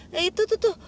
ya itu tuh tuh